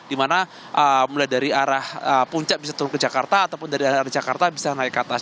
di mana mulai dari arah puncak bisa turun ke jakarta ataupun dari arah jakarta bisa naik ke atas